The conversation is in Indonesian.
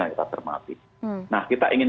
agar tidak termati nah kita ingin